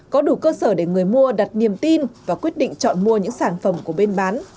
có đủ cơ sở để người mua đặt niềm tin và quyết định chọn mua những sản phẩm của bên bán